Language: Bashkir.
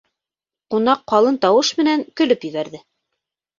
— Ҡунаҡ ҡалын тауыш менән көлөп ебәрҙе.